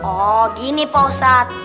oh gini pausat